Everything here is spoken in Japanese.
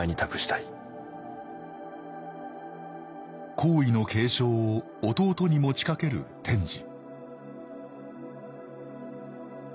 皇位の継承を弟に持ちかける天智